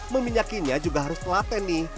meminyakinya juga harus telaten nih